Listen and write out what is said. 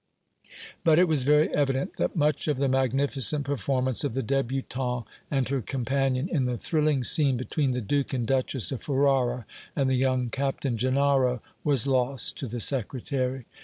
But it was very evident that much of the magnificent performance of the débutante and her companion, in the thrilling scene between the Duke and Duchess of Ferrara and the young Captain Gennaro, was lost to the Secretary.